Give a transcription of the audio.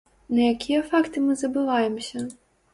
На якія факты мы забываемся?